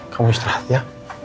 kamu istirahat ya